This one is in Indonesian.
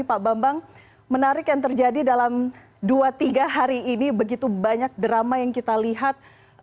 pak bambang menarik yang terjadi dalam dua tiga hari ini begitu banyak drama yang kita lihat